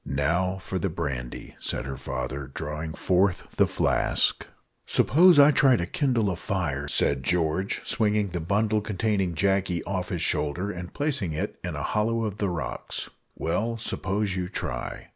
"Now for the brandy," said her father, drawing forth the flask. "Suppose I try to kindle a fire," said George, swinging the bundle containing Jacky off his shoulder, and placing it in a hollow of the rocks. "Well, suppose you try."